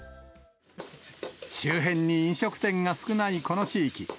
周辺に飲食店が少ないこの地域。